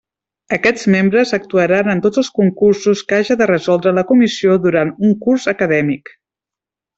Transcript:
Aquests membres actuaran en tots els concursos que haja de resoldre la comissió durant un curs acadèmic.